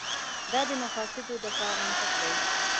دا د مفاسدو دفع منطق دی.